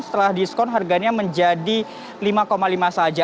setelah diskon harganya menjadi rp lima lima ratus saja